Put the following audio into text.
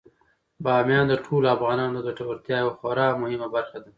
بامیان د ټولو افغانانو د ګټورتیا یوه خورا مهمه برخه ده.